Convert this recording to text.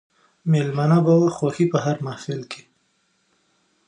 مېلمنه به وه خوښي په هر محل کښي